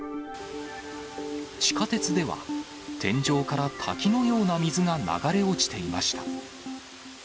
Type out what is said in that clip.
地下鉄では、天井から滝のような水が流れ落ちていました。